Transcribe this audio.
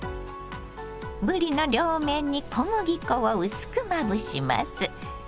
ぶりの両面に小麦粉を薄くまぶします。